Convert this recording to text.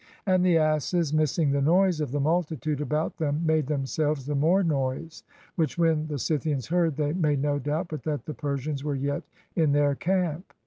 And the asses, missing the noise of the multitude about them, made themselves the more noise, which when the Scythians heard they made no doubt but that the Per sians were yet in their camp.